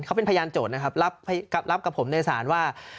เขาเป็นพยานโจทย์นะครับรับกับผมในศาลว่า